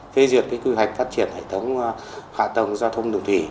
phê duyệt quy hoạch phát triển hệ thống hạ tầng giao thông đường thủy